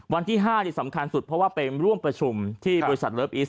วันที่๕ที่สำคัญสุดเพราะว่าไปร่วมประชุมที่บริษัทเลิฟอีส